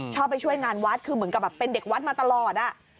ชอบไปช่วยงานวัดคือเหมือนกับแบบเป็นเด็กวัดมาตลอด